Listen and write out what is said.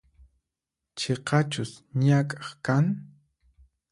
Chiqachus ñak'aq kan?